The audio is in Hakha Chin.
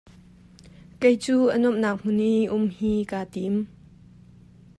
Kei cu a nuamhnak hmun i um hi kaa tim.